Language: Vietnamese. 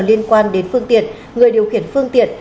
liên quan đến phương tiện người điều khiển phương tiện